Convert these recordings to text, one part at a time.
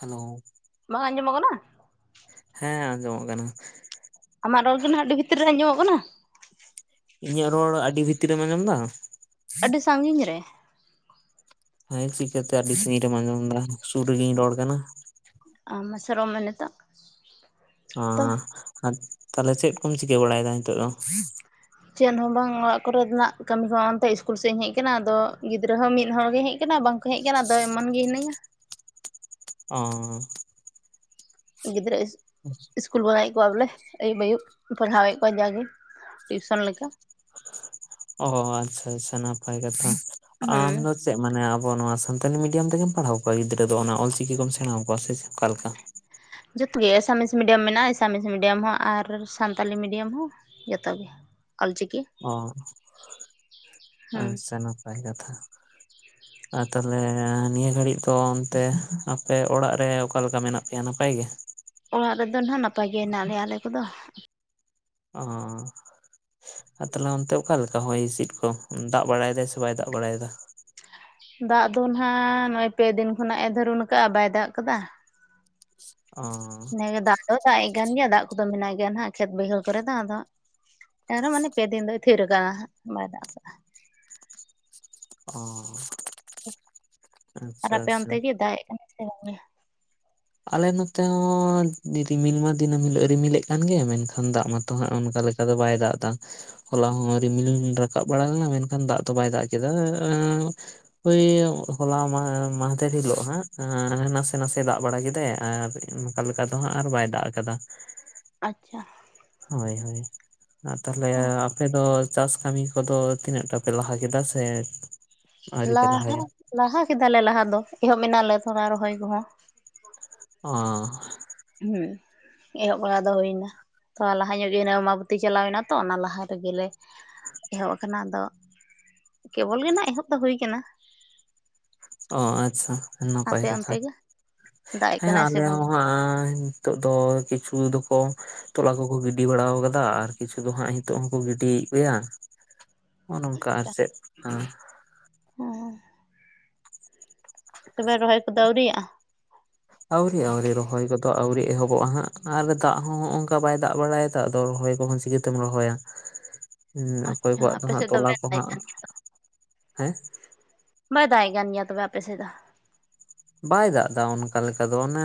Hello ᱵᱟᱸᱝ ᱟᱸᱡᱚᱢᱚᱜ ᱠᱟᱱᱟ? ᱦᱮᱸ ᱟᱸᱡᱚᱢᱚᱜ ᱠᱟᱱᱟ᱾ ᱟᱢᱟᱜ ᱨᱚᱲ ᱜᱮ ᱱᱷᱟᱜ ᱟᱹᱰᱤ ᱵᱷᱤᱛᱨᱤ ᱨᱮ ᱟᱸᱡᱚᱢᱚᱜ ᱠᱟᱱᱟ᱾ ᱤᱧᱟᱜ ᱨᱚᱲ ᱟᱹᱰᱤ ᱵᱷᱤᱛᱤᱨ ᱨᱮᱢ ᱟᱸᱡᱚᱢᱫᱟ? ᱟᱹᱰᱤ ᱥᱟᱸᱜᱤᱧ ᱨᱮ ᱾ ᱦᱮᱸ ᱪᱤᱠᱟᱛᱮ ᱟᱹᱰᱤ ᱥᱟᱜᱤᱧ ᱨᱮᱢ ᱟᱸᱡᱚᱢ ᱫᱟ, ᱥᱩᱨ ᱨᱮᱜᱤᱧ ᱨᱚᱲ ᱠᱟᱱᱟ ᱾ ᱟ ᱢᱟᱥᱮ ᱨᱚᱲ ᱢᱮ ᱱᱤᱛᱚᱜ? ᱚ ᱛᱚ ᱛᱟᱦᱞᱮ ᱪᱮᱫ ᱠᱚᱢ ᱪᱤᱠᱟᱹ ᱵᱟᱲᱟᱭᱫᱟ ᱱᱤᱛᱚᱜ ᱫᱚ? ᱪᱮᱫ ᱦᱚᱸ ᱵᱟᱝ ᱚᱲᱟᱜ ᱠᱚᱨᱮᱱᱟᱜ ᱠᱟᱹᱢᱤ ᱦᱚᱸᱱᱛᱮ ᱤᱥᱠᱩᱞ ᱥᱮᱫ ᱤᱧ ᱦᱮᱡ ᱟᱠᱟᱱᱟ, ᱟᱫᱚ ᱜᱤᱫᱽᱨᱟᱹ ᱦᱚᱸ ᱢᱤᱫ ᱦᱚᱲ ᱜᱮ ᱦᱮᱡ ᱦᱮᱡ ᱠᱟᱱᱟ ᱵᱟᱝᱠᱚ ᱦᱮᱡ ᱠᱟᱱᱟ, ᱟᱫᱚ ᱮᱢᱚᱱ ᱜᱮ ᱦᱤᱱᱟᱹᱧᱟ ᱚᱸ ᱜᱤᱫᱽᱨᱟᱹ ᱤᱥ ᱟᱪᱪᱷᱟ ᱤᱥᱠᱩᱞ ᱵᱟᱲᱟᱮᱫ ᱠᱚᱣᱟ ᱵᱚᱞᱮ ᱟᱹᱭᱩᱵ ᱟᱹᱭᱩᱵ ᱯᱟᱲᱦᱟᱣᱮᱫ ᱠᱚᱣᱟ ᱡᱟᱜᱮ ᱴᱤᱭᱩᱥᱚᱱ ᱞᱮᱠᱟ ᱾ ᱚ ᱟᱪᱪᱷᱟ ᱪᱷᱟ ᱱᱟᱯᱟᱭ ᱠᱟᱛᱷᱟ ᱾ ᱟᱢ ᱦᱮᱸ ᱫᱚ ᱪᱮᱫ ᱢᱟᱱᱮ ᱟᱵᱚ ᱱᱚᱣᱟ ᱥᱟᱱᱛᱟᱞᱤ ᱢᱤᱰᱤᱭᱟᱢ ᱛᱮᱜᱮᱢ ᱯᱟᱲᱦᱟᱣ ᱠᱚᱣᱟ ᱜᱤᱫᱽᱨᱟᱹ ᱫᱚ ᱚᱱᱟ ᱚᱞ ᱪᱤᱠᱤ ᱠᱚᱢ ᱥᱮᱬᱟ ᱠᱚᱣᱟ ᱥᱮ ᱚᱠᱟ ᱞᱮᱠᱟ? ᱡᱚᱛᱚ ᱜᱮ ᱮᱥᱟᱢᱤᱥ ᱢᱤᱰᱤᱭᱟᱢ ᱢᱮᱱᱟᱜᱼᱟ ᱮᱥᱟᱢᱤᱥ ᱢᱤᱰᱤᱭᱟᱢ ᱦᱚᱸ ᱟᱨ ᱥᱟᱱᱛᱟᱞᱤ ᱢᱤᱰᱤᱭᱟᱢ ᱦᱚᱸ ᱾ ᱡᱚᱛᱚ ᱜᱮ ᱚᱞ ᱪᱤᱠᱤ ᱾ ᱚ ᱦᱮᱸ ᱟᱪᱪᱷᱟ ᱱᱟᱯᱟᱭ ᱠᱟᱛᱷᱟ ᱾ ᱟᱨ ᱛᱟᱦᱞᱮ ᱱᱤᱭᱟᱹ ᱜᱷᱟᱹᱲᱤᱡ ᱫᱚ ᱚᱱᱛᱮ, ᱟᱯᱮ ᱚᱲᱟᱜ ᱨᱮ ᱚᱠᱟ ᱞᱮᱠᱟ ᱢᱮᱱᱟᱜ ᱯᱮᱭᱟ ᱱᱟᱯᱟᱭ ᱜᱮ? ᱚᱲᱟᱜ ᱨᱮᱫᱚ ᱦᱟᱜ ᱱᱟᱯᱟᱭ ᱜᱮ ᱦᱮᱱᱟᱜ ᱞᱮᱭᱟ ᱟᱞᱮ ᱠᱚᱫᱚ ᱾ ᱚᱻ ᱟᱨ ᱛᱟᱦᱚᱞᱮ ᱚᱱᱛᱮ ᱚᱠᱟᱞᱮᱠᱟ ᱦᱚᱭ ᱦᱤᱥᱤᱫ ᱠᱚ? ᱫᱟᱜ ᱵᱟᱲᱟᱭ ᱫᱟᱭ ᱥᱮ ᱵᱟᱭ ᱫᱟᱜ ᱵᱟᱲᱟᱭᱮᱫᱟ? ᱫᱟᱜ ᱫᱚ ᱱᱟᱦᱟᱜ ᱱᱚᱜᱼᱚᱭ ᱯᱮ ᱫᱤᱱ ᱠᱷᱚᱱᱟᱜᱼ ᱮ ᱫᱷᱟᱹᱨᱩᱱ ᱠᱟᱜᱼᱟ ᱵᱟᱭ ᱫᱟᱜ ᱠᱟᱫᱟ ᱾ ᱚᱸ ᱱᱮ ᱫᱟᱜ ᱫᱚ ᱫᱟᱜ ᱮ ᱠᱟᱱ ᱜᱮᱭᱟ ᱫᱟᱜ ᱠᱚᱫᱚ ᱢᱮᱱᱟᱜ ᱜᱮᱭᱟ ᱱᱟᱜ ᱠᱷᱮᱛ ᱵᱟᱹᱭᱦᱟᱹᱲ ᱠᱚᱨᱮ ᱫᱚ ᱾ ᱟᱫᱚ ᱟᱨ ᱢᱟᱱᱮ ᱯᱮ ᱫᱤᱱ ᱫᱚ ᱛᱤᱨᱠᱟ ᱵᱟᱭ ᱫᱟᱜ ᱠᱟᱜ ᱟᱭ ᱾ ᱚᱸ ᱟᱨ ᱟᱯᱮ ᱟᱪᱪᱷᱟ ᱚᱱᱛᱮ ᱜᱮ ᱫᱟᱜ ᱮᱜ ᱠᱟᱱᱟ ᱥᱮ ᱵᱟᱝᱟ? ᱟᱞᱮ ᱱᱚᱛᱮ ᱦᱚᱸ ᱨᱤᱢᱤᱞ ᱢᱟ ᱫᱤᱱᱟᱹᱢ ᱦᱤᱞᱚᱜ ᱨᱤᱢᱤᱞᱮᱫ ᱠᱟᱱ ᱜᱮᱭᱟ, ᱢᱮᱱᱠᱷᱟᱱ ᱫᱟᱜ ᱢᱟᱛᱚ ᱦᱟᱜ ᱚᱱᱠᱟ ᱞᱮᱠ ᱚᱱᱠᱟ ᱫᱚ ᱵᱟᱭ ᱫᱟᱜ ᱫᱟ ᱾ ᱦᱚᱞᱟ ᱦᱚᱸ ᱨᱤᱢᱤᱞ ᱨᱟᱠᱟᱵ ᱵᱟᱲᱟ ᱞᱮᱱᱟ ᱢᱮᱱᱠᱷᱟᱱ ᱫᱟᱜ ᱫᱚ ᱵᱟᱭ ᱫᱟᱜ ᱠᱮᱫᱟ ᱾ ᱚᱭ ᱦᱚᱞᱟ ᱢᱟᱦᱫᱮᱨ ᱦᱤᱞᱳ ᱦᱟᱜ, ᱱᱟᱥᱮ ᱱᱟᱥᱮ ᱫᱟᱜ ᱵᱟᱲᱟ ᱜᱮ ᱛᱮ ᱟᱨ ᱱᱚᱠᱟ ᱞᱮᱠᱟ ᱫᱚ ᱦᱟᱸᱜ ᱟᱨ ᱵᱟᱭ ᱫᱟᱜ ᱟᱠᱟᱫᱟ ᱾ ᱟᱪᱪᱷᱟ ᱾ ᱦᱟᱭ ᱦᱚᱭ ᱾ ᱛᱟᱦᱚᱞᱮ ᱟᱯᱮ ᱫᱚ ᱪᱟᱥ ᱠᱟᱹᱢᱤ ᱠᱚᱫᱚ ᱛᱤᱱᱟᱹᱜ ᱴᱟ ᱯᱮ ᱞᱟᱦᱟ ᱥᱮ? ᱟᱹᱣᱨᱤ ᱯᱮ ᱞᱟᱦᱟ ᱞᱟᱦᱟᱭᱟ? ᱞᱟᱦᱟ ᱠᱮᱫᱟᱞᱮ ᱞᱟᱦᱟ ᱫᱚ, ᱮᱦᱚᱵ ᱮᱱᱟ ᱞᱮ ᱛᱷᱚᱲᱟ ᱨᱚᱦᱚᱭ ᱠᱟᱦᱚᱸ ᱾ ᱚᱸ ᱦᱩᱸ ᱾ ᱮᱦᱚᱵ ᱵᱟᱲᱟ ᱫᱚ ᱦᱩᱭᱱᱟ, ᱛᱷᱚᱲᱟ ᱞᱟᱦᱟ ᱧᱚᱜ ᱜᱮ ᱟᱢᱟᱵᱤᱛᱤ ᱪᱟᱞᱟᱣᱱᱟ ᱛᱚ ᱚᱱᱟ ᱞᱟᱦᱟ ᱨᱮᱜᱮᱞᱮ ᱮᱦᱚᱵ ᱟᱠᱟᱱᱟ ᱟᱫᱚ, ᱠᱮᱵᱚᱞ ᱜᱮ ᱱᱟᱦᱟᱜ ᱮᱦᱚᱵ ᱫᱚ ᱦᱩᱭ ᱟᱠᱟᱱᱟ ᱾ ᱚ ᱟᱪᱪᱷᱟ, ᱱᱟᱯᱟᱭ ᱟᱯᱮ ᱠᱟᱛᱷᱟ, ᱚᱱᱛᱮ ᱜᱮ ᱫᱟᱜ ᱮᱜ ᱦᱮᱸ ᱠᱟᱱᱟᱭ ᱥᱮ ᱟᱞᱮ ᱵᱟᱝ ᱦᱚᱸ ᱱᱤᱛᱚᱜ ᱫᱚ ᱠᱤᱪᱷᱩ ᱫᱚᱠᱚ ᱛᱚᱞᱟ ᱠᱚᱠᱚ ᱜᱤᱰᱤ ᱵᱟᱲᱟᱣ ᱠᱟᱫᱟ, ᱟᱨ ᱠᱤᱪᱷᱩ ᱫᱚ ᱦᱟᱸᱜ ᱱᱤᱛᱚᱜ ᱦᱚᱸᱠᱚ ᱜᱤᱰᱤᱭᱮᱫ ᱜᱮᱭᱟ ᱾ ᱱᱚᱜᱼᱚ ᱱᱚᱝᱠᱟ ᱟᱨ ᱪᱮᱫ ᱾ ᱚ ᱛᱚᱵᱮ ᱨᱚᱦᱚᱭ ᱠᱚ ᱟᱹᱣᱨᱤᱭᱟᱜᱼᱟ? [inaudible] ᱟᱹᱣᱨᱤ ᱟᱣᱨᱤ ᱨᱚᱦᱚᱭ ᱠᱚᱫᱚ ᱟᱣᱨᱤ ᱮᱦᱚᱵᱚᱜᱼᱟ ᱦᱟᱸᱜ, ᱟᱨ ᱫᱟᱜ ᱦᱚᱸ ᱚᱝᱠᱟ ᱵᱟᱭ ᱫᱟᱜ ᱵᱟᱲᱟᱭ ᱛᱟᱜ ᱫᱚ ᱨᱚᱦᱚᱭ ᱠᱚᱦᱚᱸ ᱪᱤᱠᱟᱹᱛᱮᱢ ᱨᱚᱦᱚᱭᱟ? ᱦᱩᱸ ᱚᱠᱚᱭ ᱟᱪᱪᱷᱟ ᱠᱚᱣᱟᱜ ᱫᱚ ᱟᱯᱮ ᱦᱟᱸᱜ ᱥᱮᱫ ᱛᱚᱞᱟ ᱵᱟᱭ ᱠᱚ ᱫᱟᱜ ᱦᱟᱸᱜ, ᱠᱟᱱ ᱜᱮᱭᱟ ᱦᱮᱸ ᱵᱟᱭ ᱫᱟᱜ ᱠᱟᱱ ᱜᱮ ᱛᱚᱵᱮ ᱟᱯᱮ ᱥᱮ ᱫᱚ? ᱵᱟᱭ ᱫᱟᱜᱽ ᱮᱫᱟ ᱚᱱᱠᱟ ᱞᱮᱠᱟ ᱫᱚ ᱚᱱᱮ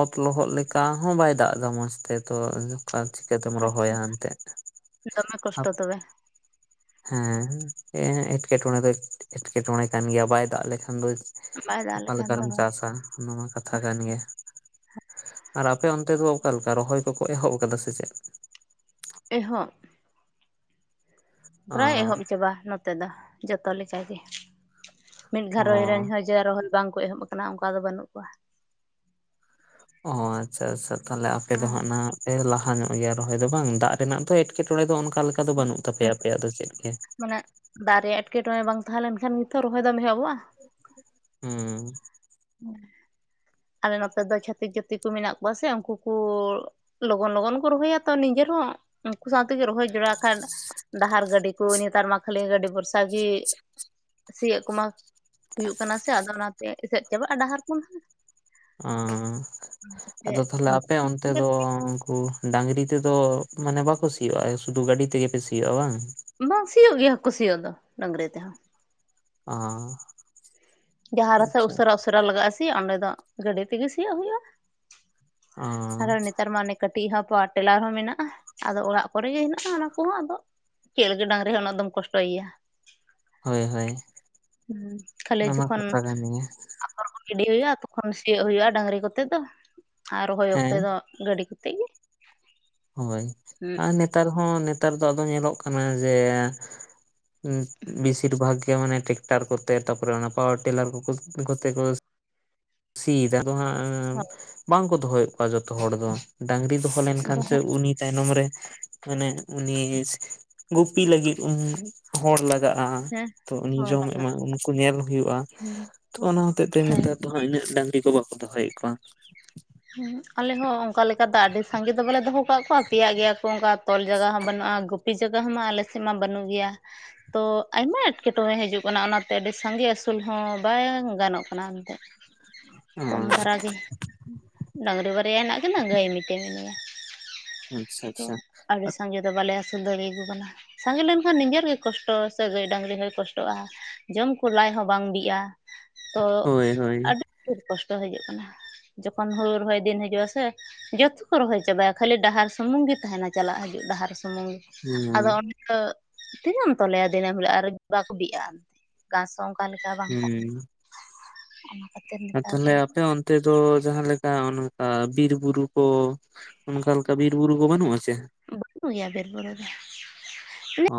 ᱚᱛ ᱞᱚᱦᱚᱫ ᱞᱮᱠᱟ ᱦᱚᱸ ᱵᱟᱭ ᱫᱟᱜ ᱮᱫᱟ ᱢᱚᱸᱡᱽ ᱛᱮ ᱛᱚ ᱚᱠᱟ ᱪᱤᱠᱟᱹᱛᱮᱢ ᱨᱚᱦᱚ ᱟᱪᱪᱷᱟ ᱭᱟ ᱮᱱᱛᱮᱫ ᱫᱚᱢᱮ ᱠᱚᱥᱴᱚ ᱛᱚᱵᱮ ᱦᱮᱸ ᱮᱸᱴᱠᱮ ᱴᱚᱬᱮ ᱫᱚ ᱮᱸᱴᱠᱮ ᱴᱚᱬᱮ ᱠᱟᱱ ᱜᱮᱭᱟ ᱵᱟᱭ ᱫᱟᱜ ᱞᱮᱠᱷᱟᱱ ᱫᱚ ᱵᱟᱭ ᱫᱟᱜ ᱚᱠᱟ ᱞᱮᱠᱷᱟᱱ ᱞᱮᱠᱟ ᱫᱚ ᱨᱮᱢ ᱦᱳᱭ ᱪᱟᱥ ᱟ ᱱᱚᱣᱟ ᱢᱟ ᱠᱟᱛᱷᱟ ᱠᱟᱱ ᱜᱮᱭᱟ ᱟᱨ ᱟᱯᱮ ᱚᱱᱛᱮ ᱫᱚ ᱚᱠᱟ ᱞᱮᱠᱟ ᱨᱚᱦᱚᱭ ᱠᱚᱠᱚ ᱮᱦᱚᱵ ᱠᱟᱫᱟ ᱥᱮ ᱪᱮᱫ ᱮᱦᱚᱵᱚᱜ ᱯᱮᱨᱟᱭ ᱮᱦᱚᱵ ᱪᱟᱵᱟ ᱱᱚ ᱛᱮ ᱫᱚ ᱡᱷᱚᱛᱚ ᱞᱮ ᱠᱟᱜᱮ ᱢᱤᱫ ᱜᱷᱟᱨᱚᱸᱡᱽ ᱨᱮᱱ ᱦᱚᱸ ᱡᱮ ᱨᱚᱦᱚᱲ ᱵᱟᱝ ᱠᱚ ᱮᱦᱚᱵ ᱟᱠᱟᱱᱟ ᱚᱱᱠᱟ ᱫᱚ ᱵᱟᱹᱱᱩᱜ ᱠᱚᱣᱟ ᱚ ᱟᱪᱪᱷᱟ ᱟᱪᱪᱷᱟ ᱛᱟᱦᱚᱞᱮ ᱟᱯᱮ ᱫᱚ ᱦᱩᱸ ᱦᱟᱜ ᱚᱱᱟ ᱯᱮ ᱞᱟᱦᱟ ᱧᱚᱜ-ᱟ᱾ ᱭᱟ ᱨᱚᱦᱚᱭ ᱫᱚ ᱵᱟᱝ ᱫᱟᱜ ᱨᱮᱱᱟᱜ ᱫᱚ ᱮᱴᱠᱮᱴᱚᱬᱮ ᱫᱚ ᱚᱱᱠᱟ ᱞᱮᱠᱟ ᱫᱚ ᱵᱟᱹᱱᱩᱜ ᱛᱟᱯᱮᱭᱟ ᱟᱯᱮᱭᱟᱜ ᱫᱚ ᱪᱮᱫ ᱜᱮ ᱢᱟᱱᱮ ᱫᱟᱜ ᱨᱮᱭᱟᱜ ᱮᱴᱠᱮᱴᱚᱬᱮ ᱵᱟᱝ ᱛᱟᱦᱮᱸ ᱞᱮᱱᱠᱷᱟᱱ ᱱᱤᱛᱚ ᱨᱚᱦᱚᱭ ᱫᱚᱢ ᱮᱦᱚᱵᱚᱜᱼᱟ ᱦᱩᱸ ᱟᱞᱮ ᱱᱚᱛᱮ ᱫᱚ ᱪᱷᱟᱹᱛᱤᱠ ᱡᱟᱹᱛᱤ ᱠᱚ ᱢᱮᱱᱟᱜ ᱠᱚᱣᱟ ᱥᱮ ᱩᱱᱠᱩ ᱠᱚ ᱞᱚᱜᱚᱱ ᱞᱚᱜᱚᱱ ᱠᱚ ᱨᱚᱦᱚᱭᱟ ᱛᱚ ᱱᱤᱡᱮᱨ ᱦᱚᱸ ᱩᱱᱠᱩ ᱥᱟᱶ ᱛᱮᱜᱮ ᱨᱚᱦᱚᱭ ᱡᱚᱲᱟᱣ ᱠᱷᱟᱱ ᱰᱟᱦᱟᱨ ᱜᱟᱹᱰᱤ ᱠᱚ ᱱᱮᱛᱟᱨ ᱢᱟ ᱠᱷᱟᱹᱞᱤ ᱜᱟᱹᱰᱤ ᱵᱷᱚᱨᱥᱟ ᱜᱮ ᱥᱤᱭᱳᱜ ᱠᱚᱢᱟ ᱦᱩᱭᱩᱜ ᱠᱟᱱᱟ ᱥᱮ ᱟᱫᱚ ᱚᱱᱟ ᱛᱮ ᱮᱥᱮᱫ ᱪᱟᱵᱟᱜᱼᱟ ᱰᱟᱦᱟᱨ ᱠᱚ ᱚ ᱛᱮ ᱟᱫᱚ ᱛᱟᱦᱞᱮ ᱩᱱᱠᱩ ᱟᱯᱮ ᱚᱱᱛᱮ ᱫᱚ ᱩᱱᱠᱩ ᱰᱟ. ᱝᱨᱤ ᱛᱮᱫᱚ ᱢᱟᱱᱮ ᱵᱟᱠᱚ ᱥᱤᱭᱳᱜᱼᱟ ᱥᱩᱫᱷᱩ ᱜᱟᱹᱰᱤ ᱛᱮ ᱜᱮ ᱯᱮ ᱥᱤᱭᱚᱜᱼᱟ ᱵᱟᱝ ᱵᱟᱝ ᱥᱤᱭᱳᱜ ᱜᱮᱭᱟ ᱠᱚ ᱥᱤᱭᱚᱜ ᱫᱚ ᱰᱟᱝᱨᱤ ᱛᱮ ᱦᱚᱸ ᱚ ᱡᱟᱦᱟᱸ ᱨᱟᱥ ᱟᱪᱪᱷᱟ ᱩᱥᱟᱹᱨᱟ ᱩᱥᱟᱹᱨᱟ ᱞᱟᱜᱟᱜᱼᱟ ᱥᱮ ᱚᱸᱰᱮ ᱫᱚ ᱜᱟᱹᱰᱤ ᱛᱮᱜᱮ ᱥᱤᱭᱳᱜ ᱦᱩᱭᱩᱜᱼᱟ ᱚ ᱟᱨᱟᱨ ᱱᱮᱛᱟᱨ ᱢᱟ ᱚᱱᱮ ᱠᱟᱹᱴᱤᱡ ᱦᱚ ᱯᱟᱴᱮᱞᱟᱨ ᱦᱚᱸ ᱢᱮᱱᱟᱜᱼᱟ ᱟᱫᱚ ᱚᱲᱟᱜ ᱠᱚ ᱨᱮ ᱜᱮ ᱦᱮᱱᱟᱜᱼᱟ ᱚᱱᱟ ᱠᱚᱦᱚᱸ ᱟᱫᱚ ᱪᱮᱫ ᱞᱟ. ᱜᱤᱫ ᱰᱟᱝᱨᱤ ᱦᱚ ᱩᱱᱟᱹᱜ ᱫᱚᱢ ᱠᱚᱥᱴᱚᱭᱮᱭᱟ ᱦᱳᱭ ᱦᱳᱭ ᱦᱩᱸ ᱠᱷᱟᱹᱞᱤ ᱚᱱᱟ ᱢᱟ ᱡᱚᱠᱷᱚᱱ ᱠᱟᱛᱷᱟ ᱠᱟᱱ ᱜᱮᱭᱟ ᱟᱯᱷᱚᱨ ᱜᱤᱰᱤ ᱦᱩᱭᱩᱜᱼᱟ ᱛᱚᱠᱷᱚᱱ ᱥᱤᱭᱚᱜ ᱦᱩᱭᱩᱜᱼᱟ᱾ ᱰᱟᱝᱨᱤ ᱠᱚᱛᱮ ᱫᱚ ᱟᱨ ᱨᱚᱦᱚᱭ ᱚᱠᱛᱮ ᱦᱮᱸ ᱫᱚ ᱜᱟᱹᱰᱤ ᱠᱚᱛᱮ ᱜᱮ ᱦᱳᱭ ᱟᱨ ᱱᱮᱛᱟᱨ ᱦᱚᱸ ᱱᱮᱛᱟᱨ ᱫᱚ ᱟᱫᱚ ᱧᱮᱞᱚᱜ ᱠᱟᱱᱟ ᱡᱮ ᱵᱮᱥᱤᱨ ᱵᱷᱟᱜ ᱜᱮ ᱢᱟᱱᱮ ᱴᱮᱠᱴᱟᱨ ᱠᱚᱛᱮ ᱛᱟᱨᱯᱚᱨᱮ ᱚᱱᱟ ᱯᱟᱣᱟᱨ ᱴᱮᱞᱟᱨ ᱠᱚ ᱠᱚᱛᱮ ᱠᱚ ᱥᱤ ᱫᱟᱠᱚ ᱦᱟᱜ ᱵᱟᱝᱠᱚ ᱫᱚᱦᱚᱭᱮᱫ ᱠᱚᱣᱟ ᱡᱷᱚᱛᱚ ᱦᱚᱲ ᱫᱚ ᱰᱟᱝᱨᱤ ᱫᱚᱦᱚ ᱦᱮᱸ ᱞᱮᱱᱠᱷᱟᱱ ᱥᱮ ᱩᱱᱤ ᱛᱟᱭᱱᱚᱢ ᱨᱮ ᱢᱟᱱᱮ ᱩᱱᱤ ᱜᱩᱯᱤ ᱞᱟᱹᱜᱤᱫ ᱦᱚᱲ ᱞᱟᱜᱟᱜᱼᱟ᱾ ᱦᱮᱸ ᱛᱚ ᱩᱱᱤ ᱦᱚᱲ ᱡᱚᱢᱮᱟᱭ ᱞᱟᱜᱟᱜᱼᱟ ᱩᱱᱠᱩ ᱧᱮᱞ ᱦᱩᱭᱩᱜᱼᱟ ᱦᱮᱸ ᱛᱚ ᱚᱱᱟ ᱦᱚᱛᱮᱡ ᱛᱮ ᱱᱮᱛᱟᱨ ᱫᱚ ᱦᱟᱸᱜ ᱤᱱᱟᱹᱜ ᱰᱟᱝᱨᱤ ᱠᱚ ᱵᱟᱠᱚ ᱫᱚᱦᱚ ᱭᱮᱫ ᱠᱚᱣᱟ ᱦᱮᱸ ᱟᱞᱮ ᱦᱚᱸ ᱚᱱᱠᱟ ᱞᱮᱠᱟ ᱫᱚ ᱟᱹᱰᱤ ᱥᱟᱸᱜᱮ ᱫᱚ ᱵᱟᱞᱮ ᱫᱚᱦᱚ ᱠᱟᱜ ᱠᱚᱣᱟ ᱯᱮᱭᱟ ᱜᱮᱭᱟ ᱠᱚ ᱚᱱᱠᱟ ᱛᱚᱞ ᱡᱟᱭᱜᱟ ᱦᱚᱸ ᱵᱟᱹᱱᱩᱜᱼᱟ ᱜᱩᱯᱤ ᱡᱟᱭ ᱦᱚᱸ ᱢᱟ ᱟᱞᱮ ᱥᱮᱫ ᱢᱟ ᱵᱟᱹᱱᱩᱜ ᱜᱮᱭᱟ ᱛᱚ ᱟᱭᱢᱟ ᱮᱸᱴᱠᱮᱴᱚᱬᱮ ᱦᱤᱡᱩᱜ ᱠᱟᱱᱟ ᱚᱱᱟᱛᱮ ᱟᱹᱰᱤ ᱥᱟᱸᱜᱮ ᱟᱹᱥᱩᱞ ᱦᱚᱸ ᱵᱟᱝ ᱜᱟᱱᱚᱜ ᱠᱟᱱᱟ ᱮᱱ ᱛᱮᱫ ᱠᱚᱢ ᱫᱷᱟᱨᱟ ᱜᱮ ᱵᱟᱨ ᱭᱟ ᱢᱮᱱᱟᱜ ᱠᱤᱱᱟ. ᱜᱟ. ᱭ ᱢᱤᱫ ᱴᱟᱝ ᱢᱮᱱᱟᱭᱟ ᱚ ᱟᱪᱪᱷᱟ ᱟᱫᱚ ᱟᱪᱪᱷᱟ ᱟᱨ ᱵᱮᱥᱤ ᱥᱟᱸᱜᱮ ᱫᱚ ᱵᱟᱞᱮ ᱟᱹᱥᱩᱞ ᱫᱟᱲᱮᱭᱟᱠᱚ ᱠᱟᱱᱟ ᱥᱟᱸᱜᱮ ᱞᱮᱱᱠᱷᱟᱱ ᱱᱤᱡᱮᱨ ᱜᱮ ᱠᱚᱥᱴᱚ ᱥᱮ ᱜᱟᱹᱭ ᱰᱟᱝᱨᱤ ᱦᱚᱭ ᱠᱚᱥᱴᱚᱜᱼᱟ ᱡᱚᱢ ᱠᱚ ᱞᱟᱡ ᱦᱚᱸ ᱵᱟᱝ ᱵᱤᱜᱼᱟ ᱛᱚ ᱦᱳᱭ ᱦᱳᱭ ᱟᱹᱰᱤ ᱡᱳᱨ ᱠᱚᱥᱴᱚ ᱦᱤᱡᱩᱜ ᱠᱟᱱᱟ᱾ ᱡᱚᱠᱷᱚᱱ ᱦᱳᱲᱳ ᱨᱚᱦᱚᱭ ᱫᱤᱱ ᱦᱤᱡᱩᱜ-ᱟ ᱥᱮ ᱡᱷᱚᱛᱚ ᱠᱚ ᱨᱚᱦᱚᱭ ᱪᱟᱵᱟᱭᱟ ᱠᱷᱟᱹᱞᱤ ᱰᱟᱦᱟᱨ ᱥᱩᱢᱩᱝ ᱜᱮ ᱛᱟᱦᱮᱱᱟ ᱪᱟᱞᱟᱜ ᱦᱤᱡᱩᱜ ᱰᱟᱦᱟᱨ ᱥᱩᱢᱩᱝ ᱦᱮᱸ ᱟᱫᱚ ᱚᱱᱟ ᱫᱚ ᱛᱤᱱᱟᱹᱜ ᱮᱢ ᱛᱚᱞᱮᱭᱟ ᱫᱤᱱᱟᱹᱢ ᱦᱤᱞᱳᱜ ᱟᱨ ᱵᱟᱠᱚ ᱵᱤᱜᱼᱟ ᱮᱱᱛᱮ ᱜᱷᱟᱥ ᱦᱚᱸ ᱚᱱᱠᱟ ᱞᱮᱠᱟ ᱵᱟᱝ ᱦᱩᱸ ᱛᱟᱦᱮᱸ ᱟᱨ ᱛᱟᱦᱚᱞᱮ ᱟᱯᱮ ᱚᱱᱛᱮ ᱫᱚ ᱡᱟᱦᱟ ᱞᱮᱠᱟ ᱚᱱᱠᱟ ᱵᱤᱨ ᱵᱩᱨᱩ ᱠᱚ ᱚᱱᱠᱟ ᱞᱮᱠᱟ ᱵᱤᱨ ᱵᱩᱨᱩ ᱠᱚ ᱵᱟᱹᱱᱩᱜ ᱟᱥᱮ ᱵᱟᱹᱱᱩᱜ ᱜᱮᱭᱟ ᱵᱤᱨᱵᱩᱨᱩ ᱚ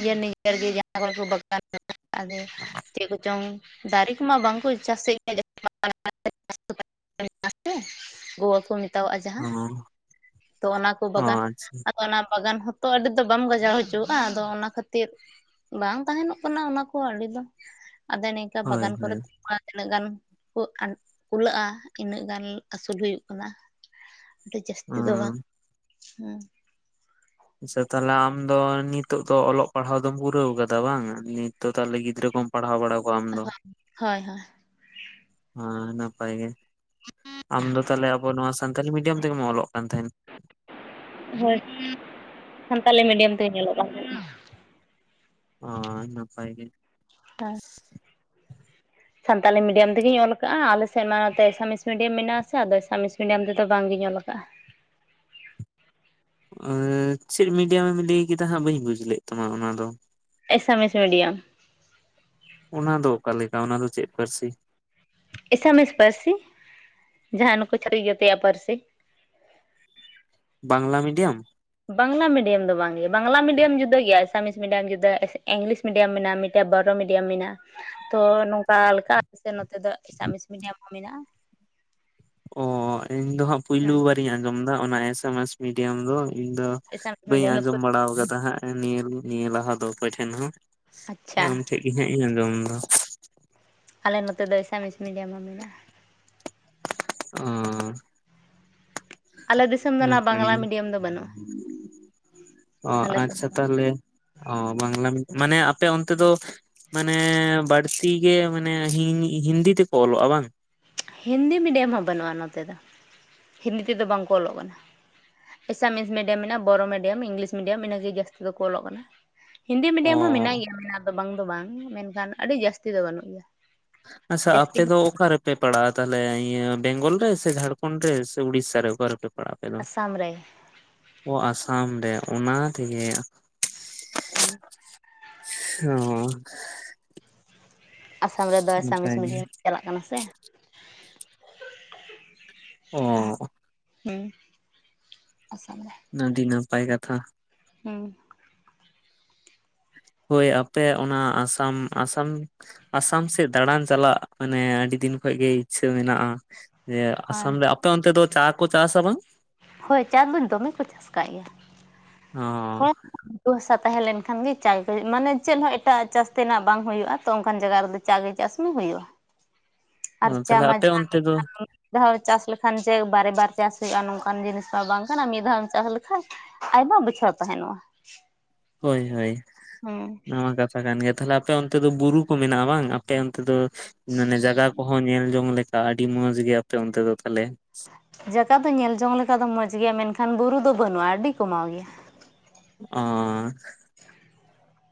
ᱨᱮ ᱱᱤᱡᱮᱨ ᱜᱮ ᱟᱠ ᱵᱟᱜᱟᱱ ᱟ ᱪᱮᱫ ᱠᱚᱪᱚᱝ ᱫᱟᱨᱮ ᱠᱚᱢᱟ ᱵᱟᱝᱠᱚ ᱪᱟᱥᱮᱫ ᱜᱮ ᱜᱩᱣᱟᱹ ᱠᱚ ᱢᱮᱛᱟᱣᱟᱜᱼᱟ ᱚ ᱡᱟᱦᱟᱸ ᱛᱚ ᱚᱱᱟ ᱠᱚ ᱚ ᱵᱟᱜᱟᱱ ᱟᱪᱪᱷᱟ ᱚᱱᱟ ᱵᱟᱜᱟᱱ ᱦᱚᱸᱛᱚ ᱟᱹᱰᱤ ᱫᱚ ᱵᱟᱢ ᱜᱚᱡᱟᱣ ᱦᱚᱪᱚᱣᱟᱜᱼᱟ ᱟᱫᱚ ᱚᱱᱟ ᱠᱷᱟᱹᱛᱤᱨ ᱵᱟᱝ ᱛᱟᱸᱦᱮᱱᱚᱜ ᱠᱟᱱᱟ ᱚᱱᱟ ᱠᱚ ᱟᱹᱰᱤ ᱫᱚ ᱟᱫᱚ ᱱᱤᱝᱠᱟ ᱦᱳᱭ ᱵᱟᱜᱟᱱ ᱠᱚᱨᱮ ᱦᱳᱭ ᱛᱤᱱᱟᱹᱜ ᱜᱟᱱ ᱠᱚ ᱟ ᱠᱩᱞᱟᱹᱜᱼᱟ ᱤᱱᱟᱹᱜ ᱜᱟᱱ ᱟᱹᱥᱩᱞ ᱦᱩᱭᱩᱜ ᱠᱟᱱᱟ ᱚ ᱤᱡᱟᱹᱥᱛᱤ ᱫᱚ ᱵᱟᱝ ᱦᱩ ᱥᱮ ᱛᱷᱟᱞᱮ ᱟᱢ ᱫᱚ ᱱᱤᱛᱚᱜ ᱫᱚ ᱚᱞᱚᱜ ᱯᱟᱲᱦᱟᱣ ᱫᱚᱢ ᱯᱩᱨᱟᱹᱣ ᱠᱟᱫᱟ ᱵᱟᱝ ᱱᱤᱛ ᱫᱚ ᱛᱷᱟᱞᱮ ᱜᱤᱫᱽᱨᱟᱹ ᱠᱚᱢ ᱯᱟᱲᱦᱟᱣ ᱵᱟᱲᱟ ᱠᱚᱣᱟ ᱟᱢ ᱫᱚ ᱦᱳᱭ ᱦᱳᱭ ᱟ ᱱᱟᱯᱟᱭ ᱜᱮ ᱟᱢᱫᱚ ᱛᱷᱟᱞᱮ ᱟᱵᱚ ᱱᱚᱣᱟ ᱥᱟᱱᱛᱟᱞᱤ ᱢᱤᱰᱤᱭᱟᱢ ᱛᱮᱜᱮᱢ ᱚᱞᱚᱜ ᱠᱟᱱ ᱛᱟᱦᱮᱸᱱ ᱦᱳᱭ ᱥᱟᱱᱛᱟᱞᱤ ᱢᱤᱰᱤᱭᱟᱢ ᱛᱮᱜᱮᱧ ᱚᱞᱚᱜ ᱠᱟᱱ ᱛᱟᱦᱮᱫ ᱚᱚ ᱱᱟᱯᱟᱭ ᱜᱮ ᱴᱟ ᱥᱟᱱᱛᱟᱞᱤ ᱢᱤᱰᱤᱭᱟᱢ ᱛᱮᱜᱮᱧ ᱚᱞᱟᱠᱟᱜ-ᱟ ᱟᱞᱮᱱᱥᱮᱫ ᱢᱟ ᱮᱱᱛᱮ ᱟᱥᱟᱢᱤᱥ ᱢᱤᱰᱤᱭᱟᱢ ᱢᱮᱱᱟᱜᱼᱟ ᱥᱮ ᱟᱫᱚ ᱟᱥᱟᱢᱤᱥ ᱢᱤᱰᱤᱭᱟᱢ ᱛᱮᱫᱚ ᱵᱟᱝᱜᱤᱧ ᱚᱞ ᱟᱠᱟᱜᱼᱟ ᱮᱮᱭ ᱪᱮᱫ ᱢᱤᱰᱤᱭᱟᱢᱮᱢ ᱞᱟᱹᱭ ᱠᱮᱫᱟ ᱦᱟᱸᱜ ᱵᱟᱹᱧ ᱵᱩᱡᱷ ᱞᱮᱫ ᱛᱟᱢᱟ ᱚᱱᱟ ᱫᱚ ᱮᱥᱟᱢᱮᱥ ᱢᱤᱰᱤᱭᱟᱢ ᱚᱱᱟ ᱫᱚ ᱚᱠᱟ ᱞᱮᱠᱟ ᱚᱱᱟ ᱫᱚ ᱪᱮᱫ ᱯᱟᱹᱨᱥᱤ ᱮᱥᱟᱢᱤᱥ ᱯᱟᱹᱨᱥᱤ ᱡᱟᱦᱟᱸ ᱱᱩᱠᱩ ᱪᱷᱟᱛᱤᱠ ᱡᱟᱹᱛᱤᱭᱟᱜ ᱯᱟᱹᱨᱥᱤ ᱵᱟᱝᱞᱟ ᱢᱤᱰᱤᱭᱟᱢ᱾ ᱵᱟᱝᱞᱟ ᱢᱤᱰᱤᱭᱟᱢ ᱫᱚ ᱵᱟᱝ ᱜᱮ ᱵᱟᱝᱞᱟ ᱢᱤᱰᱤᱭᱟᱢ ᱡᱩᱫᱟᱹ ᱜᱮᱭᱟ ᱮᱥᱟᱢᱤᱥ ᱢᱤᱰᱤᱭᱟᱢ ᱡᱩᱫᱟᱹ ᱤᱝᱞᱤᱥ ᱢᱤᱰᱤᱭᱟᱢ ᱢᱮᱱᱟᱜᱼᱟ ᱢᱤᱫᱴᱮ ᱵᱚᱨᱚ ᱢᱤᱰᱤᱭᱟᱢ ᱢᱮᱱᱟᱜᱼᱟ ᱛᱚ ᱱᱚᱝᱠᱟ ᱞᱮᱠᱟ ᱥᱮ ᱱᱚᱛᱮ ᱫᱚ ᱮᱥᱟᱢᱤᱥ ᱢᱤᱰᱤᱭᱟᱢ ᱦᱚᱸ ᱢᱮᱱᱟᱜᱼᱟ᱾ ᱚ ᱤᱸᱧ ᱫᱚ ᱦᱟᱸᱜ ᱯᱩᱭᱞᱩ ᱦᱮᱸ ᱵᱟᱨᱤᱧ ᱟᱸᱡᱚᱢ ᱫᱟ ᱚᱱᱟ ᱮᱥᱮᱢᱥ ᱢᱤᱰᱤᱭᱟᱢ ᱫᱚ ᱤᱧ ᱫᱚ ᱮᱥᱟᱢᱤᱥ ᱵᱟᱹᱧ ᱢᱤᱰᱤᱭᱟᱢ ᱫᱚ ᱟᱸᱡᱚᱢ ᱵᱟᱲᱟᱣ ᱠᱟᱫᱟ ᱦᱟᱸᱜ ᱱᱤᱭᱟᱹ ᱱᱤᱭᱟᱹ ᱞᱟᱦᱟ ᱫᱚ ᱚᱠᱚᱭ ᱴᱷᱮᱱ ᱦᱚᱸ ᱟᱢ ᱟᱪᱪᱷᱟ ᱴᱷᱮᱡ ᱜᱤ ᱦᱟᱸᱜ ᱤᱧ ᱟᱸᱡᱚᱢ ᱫᱟ ᱟᱞᱮ ᱱᱚᱛᱮ ᱫᱚ ᱮᱥᱟᱢᱤᱥ ᱢᱤᱰᱤᱭᱟᱢ ᱦᱚᱸ ᱢᱮᱱᱟᱜᱼᱟ᱾ ᱚ ᱟᱞᱮ ᱫᱤᱥᱚᱢ ᱫᱚ ᱚᱱᱟ ᱱᱟᱯᱟᱭ ᱵᱟᱝᱞᱟ ᱜᱮ ᱢᱤᱰᱤᱭᱟᱢ ᱫᱚ ᱵᱟᱹᱱᱩᱜᱼᱟ ᱟᱞᱮ ᱥᱮᱫ ᱚᱼᱟᱪᱪᱷᱟ ᱫᱚ ᱛᱷᱟᱞᱮ ᱚ ᱵᱟᱝᱞᱟ ᱢᱤ ᱢᱟᱱᱮ ᱟᱯᱮ ᱚᱱᱛᱮ ᱫᱚ ᱢᱟᱱᱮ ᱵᱟᱹᱲᱛᱤ ᱜᱮ ᱢᱟᱱᱮ ᱦᱤᱸᱼᱦᱤᱱᱫᱤ ᱛᱮᱠᱚ ᱚᱞᱚᱜᱼᱟ ᱵᱟᱝ ᱦᱤᱱᱫᱤ ᱢᱤᱰᱤᱭᱟᱢ ᱦᱚ ᱵᱟᱹᱱᱩᱜᱼᱟ ᱱᱚᱛᱮ ᱫᱚ ᱦᱤᱱᱫᱤ ᱛᱮ ᱫᱚ ᱵᱟᱝ ᱠᱚ ᱚᱞᱚᱜ ᱠᱟᱱᱟ ᱮᱥᱟᱢᱤᱥ ᱢᱤᱰᱤᱭᱟᱢ ᱢᱮᱱᱟᱜᱼᱟ ᱵᱚᱨᱚ ᱢᱤᱰᱤᱭᱟᱢ ᱤᱝᱞᱤᱥ ᱢᱤᱰᱤᱭᱟᱢ ᱤᱱᱟᱹᱜᱮ ᱡᱟᱹᱥᱛᱤ ᱫᱚᱠᱚ ᱚᱞᱚᱜ ᱠᱟᱱᱟ ᱦᱤᱱᱫᱤ ᱚ ᱢᱤᱰᱤᱭᱟᱢ ᱦᱚᱸ ᱢᱮᱱᱟᱭ ᱜᱮᱭᱟ ᱢᱮᱱᱟᱜ ᱜᱮᱭᱟ ᱫᱚ ᱵᱟᱝ ᱫᱚ ᱵᱟᱝ ᱢᱮᱱᱠᱷᱟᱱ ᱟᱹᱰᱤ ᱡᱟᱹᱥᱛᱤ ᱫᱚ ᱵᱟᱹᱱᱩᱜ ᱜᱮᱭᱟ ᱟᱪᱷᱥᱟ ᱡᱟᱹᱥᱛᱤ ᱟᱯᱮ ᱫᱚ ᱚᱠᱟᱨᱮᱯ ᱯᱮ ᱯᱟᱲᱟᱜ-ᱟ ᱛᱷᱟᱞᱮ ᱤᱭᱟᱹ ᱵᱮᱝᱜᱚᱞ ᱨᱮ ᱥᱮ ᱡᱷᱟᱲᱠᱷᱚᱱᱰ ᱨᱮ ᱥᱮ ᱩᱲᱤᱥᱟ ᱨᱮ ᱥᱮ ᱚᱠᱟᱨᱮ ᱯᱮ ᱟᱯᱮ ᱫᱚ, ᱟᱥᱟᱢ ᱨᱮ ᱚ ᱟᱥᱟᱢ ᱨᱮ ᱚᱱᱟ ᱛᱮᱜᱮ ᱦᱮᱸ ᱥᱚᱻᱻ ᱟᱥᱟᱢ ᱨᱮᱫᱚ ᱮᱥᱟᱢᱤᱥ ᱱᱟᱯᱟᱭ ᱜᱮ ᱢᱤᱰᱤᱭᱟᱢ ᱪᱟᱞᱟᱜ ᱠᱟᱱᱟ ᱥᱮ ᱚ ᱦᱩᱻ ᱟᱹᱰᱤ ᱱᱟᱯᱟᱭ ᱠᱟᱛᱷᱟ᱾ ᱦᱩ ᱦᱳᱭ ᱟᱯᱮ ᱚᱱᱟ ᱟᱸᱥᱟᱢ ᱟᱸᱥᱟᱢ ᱟᱥᱟᱢ ᱥᱮᱫ ᱫᱟᱬᱟᱱ ᱪᱟᱞᱟᱜ ᱢᱟᱱᱮ ᱟᱹᱰᱤ ᱫᱤᱱ ᱠᱷᱚᱡᱽ ᱜᱮ ᱤᱪᱪᱷᱟᱹ ᱢᱮᱱᱟᱜᱼᱟ ᱡᱮ ᱦᱳᱭ ᱟᱸᱥᱟᱢ ᱨᱮ ᱟᱯᱮ ᱚᱱᱛᱮ ᱫᱚ ᱪᱟ ᱠᱚ ᱪᱟᱥᱟ ᱵᱟᱝ ᱦᱳᱭ ᱪᱟ ᱫᱚ ᱫᱚᱢᱮ ᱠᱚ ᱪᱟᱥ ᱠᱟᱜ ᱜᱮᱭᱟ ᱦᱚ ᱜᱷᱩᱴᱩ ᱦᱟᱥᱟ ᱛᱟᱦᱮᱸᱞᱮᱱ ᱠᱷᱟᱱ ᱜᱮ ᱪᱟᱭ ᱠᱚ ᱢᱟᱱᱮ ᱪᱮᱫ ᱦᱚᱸ ᱮᱴᱟᱜᱼᱟ ᱪᱟᱥᱛᱤᱱᱟᱜ ᱵᱟᱝ ᱦᱩᱭᱩᱜᱼᱟ ᱛᱚ ᱚᱱᱠᱟᱱ ᱡᱟᱭᱜᱟ ᱨᱮ ᱫᱚ ᱪᱟ ᱜᱮ ᱪᱟᱥ ᱢᱮ ᱦᱩᱭᱩᱜᱼᱟ ᱚ ᱟᱨ ᱪᱟ ᱛᱟᱦᱞᱮ ᱢᱟ ᱟᱯᱮ ᱡᱟᱦᱟᱸ ᱚᱱᱛᱮ ᱫᱚ ᱢᱤᱫᱫᱷᱟᱱ ᱢᱤᱫ ᱫᱷᱟᱣ ᱪᱟᱥ ᱞᱮᱠᱷᱟᱱ ᱡᱮ ᱵᱟᱨᱮ ᱵᱟᱨ ᱪᱟᱥ ᱦᱩᱭᱩᱜᱼᱟ ᱱᱚᱝᱠᱟᱱ ᱡᱤᱱᱤᱥ ᱢᱟ ᱵᱟᱝ ᱠᱟᱱᱟ ᱢᱤᱫ ᱫᱷᱟᱣ ᱮᱢ ᱪᱟᱥ ᱞᱮᱠᱷᱟᱱ ᱟᱭᱢᱟ ᱵᱚᱪᱷᱚᱨ ᱛᱟᱦᱮᱸᱱᱚᱜᱼᱟ᱾ ᱦᱳᱭ ᱦᱟᱹᱭ ᱦᱩᱸ ᱚᱱᱟ ᱢᱟ ᱠᱟᱛᱷᱟ ᱠᱟᱱ ᱜᱮ ᱛᱷᱟᱞᱮ ᱟᱯᱮ ᱚᱱᱛᱮ ᱫᱚ ᱵᱩᱨᱩ ᱠᱚ ᱢᱮᱱᱟᱜᱼᱟ ᱵᱟᱝ ᱟᱯᱮ ᱚᱱᱛᱮ ᱫᱚ ᱢᱟᱱᱮ ᱡᱟᱜᱟ ᱠᱚᱦᱚᱸ ᱧᱮᱞ ᱡᱚᱝ ᱞᱮᱠᱟ ᱟᱹᱰᱤ ᱢᱚᱸᱡᱽ ᱜᱮ ᱟᱯᱮ ᱚᱱᱛᱮ ᱫᱚ ᱛᱟᱦᱞᱮ ᱡᱟᱠᱟ ᱫᱚ ᱧᱮᱞ ᱡᱚᱝ ᱞᱮᱠᱟ ᱫᱚ ᱢᱚᱸᱡᱽ ᱜᱮᱭᱟ ᱢᱮᱱ ᱠᱷᱟᱱ ᱵᱩᱨᱩ ᱫᱚ ᱵᱟᱹᱱᱩᱜᱼᱟ᱾ ᱟᱹᱰᱤ ᱠᱚᱢᱟᱣ ᱜᱮᱭᱟ ᱚᱸᱻ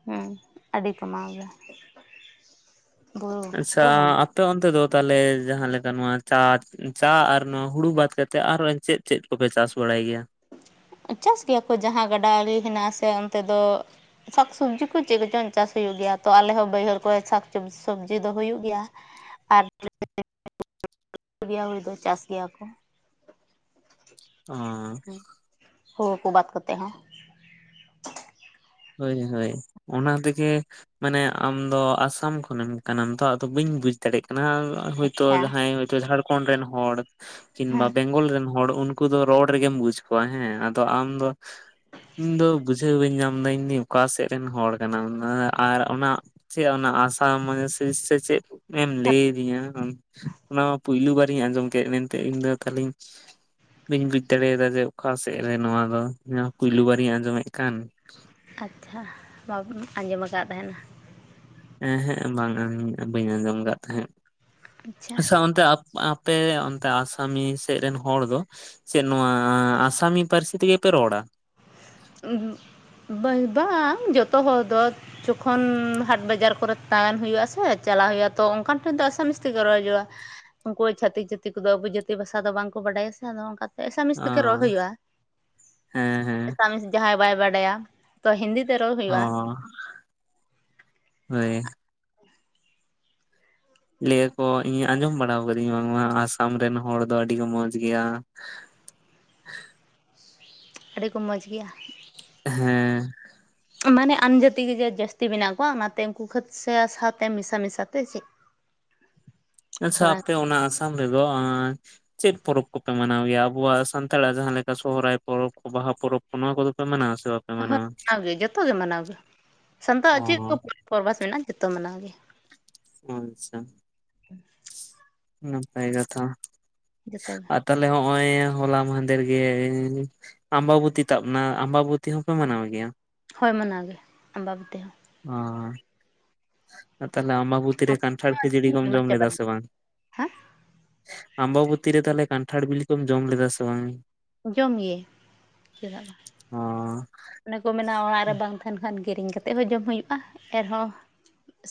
ᱦᱳᱭ ᱟᱹᱰᱤ ᱠᱚᱢᱟᱣ ᱜᱮᱭᱟ ᱾ ᱟᱪᱪᱷᱟ ᱟᱯᱮ ᱚᱱᱛᱮ ᱫᱚ ᱛᱟᱦᱞᱮ ᱡᱟᱦᱟᱸ ᱞᱮᱠᱟ ᱱᱚᱣᱟ ᱪᱟ ᱪᱟ ᱟᱨ ᱱᱚᱣᱟ ᱦᱩᱲᱩ ᱵᱟᱫ ᱠᱟᱛᱮᱜ ᱟᱨᱦᱳ ᱪᱮᱫ ᱪᱮᱫ ᱠᱚ ᱯᱮ ᱪᱟᱥ ᱵᱟᱲᱟᱭ ᱜᱮᱭᱟ᱾ ᱪᱟᱥ ᱜᱮᱭᱟ ᱠᱚ ᱡᱟᱦᱟᱸ ᱜᱟᱰᱟ ᱟᱲᱮ ᱦᱮᱱᱟᱜᱼᱟᱥᱮ ᱚᱱᱛᱮ ᱫᱚ ᱥᱟᱠ ᱥᱩᱵᱡᱤ ᱠᱚ ᱪᱮᱫ ᱠᱚᱪᱚᱝ ᱪᱟᱥ ᱦᱩᱭᱩᱜ ᱜᱮᱭᱟ ᱛᱚ ᱟᱞᱮ ᱦᱚᱸ ᱵᱟᱹᱭ ᱦᱟᱹᱲ ᱠᱚᱨᱮ ᱥᱟᱠ ᱥᱩᱵᱽᱡᱤ ᱥᱩᱵᱽᱡᱤ ᱫᱚ ᱦᱩᱭᱩᱜ ᱜᱮᱭᱟ ᱟᱨ [inaudible] ᱭᱟ ᱦᱩᱭ ᱫᱚ ᱪᱟᱥ ᱜᱮᱭᱟ ᱠᱚ ᱚᱻ ᱦᱳᱲᱳ ᱠᱚ ᱵᱟᱫ ᱠᱟᱛᱮ ᱦᱚᱸ ᱦᱳᱭ ᱦᱳᱭ ᱚᱱᱟ ᱛᱮ ᱜᱮ ᱢᱟᱱᱮ ᱟᱢ ᱫᱚ ᱟᱥᱟᱢ ᱠᱷᱚᱱᱮᱢ ᱠᱟᱱᱟᱢ ᱛᱚ ᱟᱫᱚ ᱵᱟᱹᱧ ᱵᱩᱡ ᱫᱟᱲᱮᱜ ᱠᱟᱱᱟ᱾ ᱦᱚᱭ ᱛᱚ ᱟᱪᱪᱷᱟ ᱡᱟᱦᱟᱸᱭ ᱦᱚᱭ ᱛᱚ ᱡᱷᱟᱲ ᱠᱷᱚᱱᱰ ᱨᱮᱱ ᱦᱚᱲ ᱠᱤᱝ ᱵᱟ ᱦᱮᱸ ᱵᱮᱝ ᱜᱚᱞ ᱨᱮᱱ ᱦᱚᱲ ᱩᱱᱠ ᱩᱱᱠᱩ ᱫᱚ ᱨᱚᱲ ᱨᱮᱜᱮᱢ ᱵᱩᱡᱽ ᱠᱚᱣᱟ ᱦᱮᱸ ᱟᱫᱚ ᱟᱢ ᱫᱚ ᱤᱧ ᱫᱚ ᱵᱩᱡᱷᱟᱹᱣ ᱵᱟᱹᱧ ᱧᱟᱢ ᱢᱮᱱ ᱫᱟᱹᱧ ᱫᱚ ᱚᱠᱟ ᱥᱮᱫ ᱨᱮᱱ ᱦᱚᱲ ᱠᱟᱱᱟᱢ ᱚᱱᱟ ᱟᱨ ᱚᱱᱟ ᱪᱮᱫ ᱚᱱᱟ ᱟᱥᱟᱢ [unintelligible] ᱥᱤᱥ ᱥᱮ ᱪᱮᱫ ᱞᱟᱹᱭ ᱟᱫᱤᱧᱟ ᱚᱱᱟ ᱢᱟ ᱯᱩᱭᱞᱩ ᱵᱟᱨᱤᱧ ᱟᱸᱡᱚᱢ ᱠᱮᱫ ᱢᱮᱱ ᱛᱮ ᱤᱧ ᱫᱚ ᱛᱷᱟᱞᱤᱧ ᱵᱟᱹᱧ ᱵᱩᱡ ᱫᱟᱲᱮ ᱭᱟᱫᱟ ᱡᱮ ᱚᱠᱟ ᱥᱮᱫ ᱨᱮᱱ ᱱᱚᱣᱟ ᱨᱚᱲ ᱫᱚ ᱯᱩᱭᱞᱩ ᱵᱟᱨᱤᱧ ᱟᱸᱡᱚ ᱢᱮᱫ ᱠᱟᱱ [inaudible] ᱟᱪᱪᱷᱟ ᱵᱟᱵᱤᱱ ᱟᱸᱡᱚᱢ ᱠᱟᱫ ᱛᱟᱦᱮ ᱱᱟ ᱮ ᱦᱮᱸᱜ ᱵᱟᱝ ᱵᱟᱹᱧ ᱟᱸᱡᱚᱢ ᱠᱟᱫ ᱛᱟᱦᱮᱸᱫ ᱟᱪᱪᱷᱟ ᱟᱥᱥᱟ ᱚᱱᱛᱮ ᱟᱯᱮ ᱚᱱᱛᱮ ᱟᱥᱟᱢᱤᱭᱟᱹ ᱥᱮᱫ ᱨᱮᱱ ᱦᱚᱲ ᱫᱚ ᱪᱮᱫ ᱱᱚᱣᱟ ᱟᱥᱟᱢᱤᱭᱟᱹ ᱯᱟᱹᱨᱥᱤ ᱛᱮ ᱜᱮ ᱯᱮ ᱨᱚᱲ-ᱟ? ᱵᱟᱹᱭ ᱵᱟᱝ ᱡᱷᱚᱛᱚ ᱦᱚᱲ ᱫᱚ ᱡᱚᱠᱷᱚᱱ ᱦᱟᱴ ᱵᱟᱡᱟᱨ ᱠᱚ ᱨᱮ ᱛᱟᱦᱮᱱ ᱦᱩᱭᱩᱜ ᱟᱥᱮ ᱪᱟᱞᱟᱜ ᱦᱩᱭᱩᱜᱼᱟ᱾ ᱛᱚ ᱚᱱ ᱠᱟᱱ ᱴᱷᱮᱱ ᱫᱚ ᱟᱥᱟ ᱢᱤᱥ ᱛᱮ ᱜᱮ ᱨᱚᱲ ᱦᱳᱭᱳᱜᱼᱟ᱾ ᱩᱱᱠᱩ ᱪᱷᱟᱹᱛᱤᱠ ᱡᱟᱹᱛᱤ ᱠᱚ ᱫᱚ ᱟᱵᱚ ᱡᱟᱹᱛᱤ ᱵᱷᱟᱥᱟ ᱫᱚ ᱵᱟᱝ ᱠᱚ ᱵᱟᱰᱟᱭᱟ ᱥᱮ ᱟᱫᱚ ᱚᱱᱠᱟ ᱚ ᱦᱮᱸ ᱦᱮᱸ ᱛᱟᱢᱤᱥ ᱡᱟᱦᱟᱸᱭ ᱵᱟᱭ ᱵᱟᱰᱟ ᱭᱟ᱾ [unintelligible] ᱞᱟᱹᱭ ᱟᱠᱚ ᱤᱧ ᱟᱸᱡᱚᱢ ᱵᱟᱲᱟ ᱠᱟᱫᱤᱧ ᱵᱟᱝ ᱢᱟ ᱟᱥᱟᱢ ᱨᱮᱱ ᱦᱚᱲ ᱫᱚ ᱟᱹᱰᱤ ᱠᱚ ᱢᱚᱸᱡᱽ ᱜᱮᱭᱟ᱾ ᱟᱹᱰᱤ ᱠᱚ ᱢᱚᱡᱽ ᱜᱮᱭᱟ᱾ ᱦᱮᱸ ᱢᱟᱱᱮ ᱟᱱ ᱡᱟᱛᱤ ᱠᱚ ᱜᱮ ᱡᱟᱹᱥᱛᱤ ᱢᱮᱱᱟᱜ ᱠᱚᱣᱟ ᱚᱱᱟ ᱛᱮ ᱩᱱᱠᱩ ᱠᱷᱟᱹᱛᱤᱨ ᱥᱮ ᱥᱟᱶ ᱛᱮ ᱢᱮᱥᱟ ᱢᱮᱥᱟ ᱛᱮ ᱥᱮᱪ ᱟᱪᱪᱷᱟ ᱟᱯᱮ ᱚᱱᱟ ᱟᱥᱟᱢ ᱨᱮ ᱫᱚ ᱪᱮᱫ ᱯᱚᱨᱚᱵᱽ ᱠᱚ ᱯᱮ ᱢᱟᱱᱟᱣ ᱜᱮᱭᱟ ᱟᱵᱚᱣᱟᱜ ᱥᱟᱱ ᱛᱟᱲᱟᱜ ᱡᱟᱦᱟᱸ ᱞᱮᱠᱟ ᱥᱚᱦᱚᱨᱟᱭ ᱯᱚᱨᱚᱵᱽ ᱠᱚ ᱵᱟᱦᱟ ᱯᱚᱨᱚᱵᱽ ᱠᱚ ᱱᱚᱣᱟ ᱠᱚ ᱫᱚ ᱯᱮ ᱢᱟᱱᱟᱣ ᱥᱮ ᱵᱟᱝ? ᱦᱳ ᱢᱟᱱᱟᱣ ᱜᱮ ᱡᱷᱚᱛᱚ ᱜᱮ ᱢᱟᱱᱟᱣ ᱜᱮᱭᱟ ᱥᱟᱱ ᱛᱟᱲᱟᱜ ᱚ ᱪᱮᱫ ᱠᱚ ᱯᱚᱨᱵᱷᱟᱥ ᱢᱮᱱᱟᱜᱼᱟ᱾ ᱡᱷᱚᱛᱚ ᱢᱟᱱᱟᱣ ᱜᱮ᱾ ᱟᱪᱪᱷᱟ ᱱᱟᱯᱟᱭ ᱠᱟᱛᱷᱟ ᱡᱚᱛᱚ ᱜᱮ ᱟᱨ ᱛᱟᱦᱞᱮ ᱦᱚᱜᱼᱚᱭ ᱦᱚᱞᱟ ᱢᱟᱦᱮ ᱫᱷᱮᱨ ᱜᱮ ᱟᱢ ᱵᱟᱵᱚᱛᱤ ᱛᱟᱵ ᱱᱟ ᱟᱢ ᱵᱟᱵᱚᱛᱤ ᱦᱚᱸᱯᱮ ᱢᱟᱱᱟᱣ ᱜᱮᱭᱟ? ᱦᱳᱭ ᱢᱟᱱᱟᱣ ᱜᱮ ᱟᱢ ᱵᱟᱵᱚᱛᱤ ᱦᱚᱸ᱾ ᱚ ᱛᱟᱦᱞᱮ ᱟᱢᱵᱟ ᱵᱚᱛᱤ ᱨᱮ ᱠᱟᱱ ᱴᱷᱟᱲ ᱠᱷᱟᱹᱡᱟᱹᱲᱤ ᱠᱚᱢ ᱦᱚᱸ ᱡᱚᱢ ᱞᱮᱫᱟ ᱪᱟᱵᱟᱭᱮᱱᱟ ᱥᱮ ᱵᱟᱝ? ᱦᱮᱸ ᱟᱢᱵᱟᱵᱚᱛᱤ ᱨᱮ ᱛᱟᱦᱞᱮ ᱠᱟᱱᱴᱷᱟᱲ ᱵᱤᱞᱤ ᱠᱚᱢ ᱡᱚᱢ ᱞᱮᱫᱟ ᱥᱮ ᱵᱟᱝ? ᱡᱚᱢ ᱜᱮ ᱪᱮᱫᱟᱜ ᱵᱟᱝ᱾ ᱚ ᱚᱱᱮ ᱠᱚ ᱢᱮᱱᱟ ᱚᱲᱟᱜ ᱨᱮ ᱵᱟᱝ ᱛᱟᱦᱮᱱ ᱠᱷᱟᱱ ᱠᱤᱨᱤᱧ ᱠᱟᱛᱮ ᱦᱚᱸ ᱡᱚᱢ ᱦᱩᱭᱩᱜᱼᱟ ᱮᱱ ᱦᱚᱸ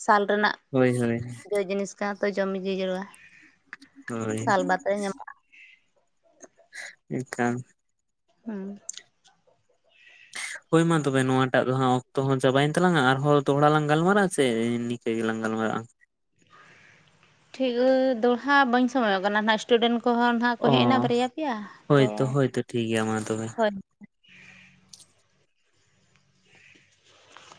ᱥᱟᱞ ᱨᱮᱱᱟᱜ ᱦᱳᱭ ᱦᱳᱭ ᱡᱚ ᱡᱤᱱᱤᱥ ᱠᱟᱱᱟ ᱛᱚ ᱡᱚᱢ ᱜᱮ ᱡᱟᱹᱨᱩᱲᱟ᱾ ᱦᱳᱭ᱾ ᱧᱟᱢᱟᱜ-ᱟ ᱮ ᱠᱷᱟᱱ ᱦᱩᱸ ᱦᱳᱭ ᱢᱟ ᱛᱚᱵᱮ ᱱᱚᱣᱟᱴᱟᱜ ᱫᱚ ᱦᱟᱸᱜ ᱚᱠᱛᱚ ᱦᱚᱸ ᱪᱟᱵᱟᱭᱮᱱ ᱛᱟᱞᱟᱝᱟ ᱟᱨᱦᱚᱸ ᱫᱚᱦᱲᱟ ᱞᱟᱝ ᱜᱟᱞᱢᱟᱨᱟᱜ-ᱟ ᱪᱮᱫ ᱥᱮᱼᱼ ᱤᱱᱠᱟᱹ ᱜᱮᱞᱟᱝ ᱜᱟᱞᱢᱟᱨᱟᱜᱼᱟ ᱾ ᱴᱷᱤᱠ ᱫᱚᱲᱦᱟ ᱵᱟᱹᱧ ᱥᱚᱢᱚᱭᱚᱜ ᱠᱟᱱᱟ ᱱᱟᱜ ᱥᱴᱩᱰᱮᱱᱴ ᱠᱚᱦᱚᱸ ᱱᱟᱸᱜ ᱠᱚ ᱚ ᱦᱮᱡ ᱮᱱᱟ ᱵᱟᱨᱭᱟ ᱯᱮᱭᱟ ᱛᱚᱼᱼ ᱦᱳᱭᱛᱚ ᱦᱳᱭᱛᱚ ᱴᱷᱤᱠ ᱜᱮᱭᱟ ᱢᱟ ᱛᱚᱵᱮ ᱾